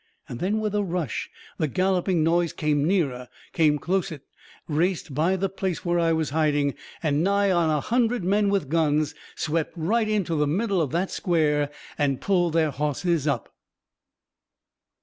Then with a rush the galloping noise come nearer, come closet; raced by the place where I was hiding, and nigh a hundred men with guns swept right into the middle of that square and pulled their hosses up.